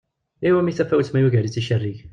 Iwumi tafawett ma yugar-itt icerrig?